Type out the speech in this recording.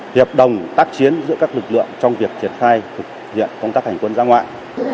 hiệp đồng tác chiến giữa các lực lượng trong việc triển khai thực hiện công tác hành quân giã ngoại